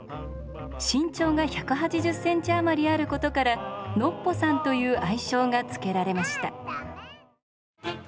身長が１８０センチ余りあることから「ノッポさん」という愛称が付けられました。